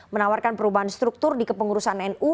menawarkan perubahan struktur di kepengurusan nu